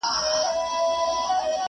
څنګ ته د میخورو به د بنګ خبري نه کوو،